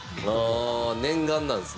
ああー念願なんですね。